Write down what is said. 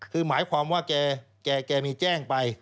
คือหมายความว่าแกมีแจ้งไป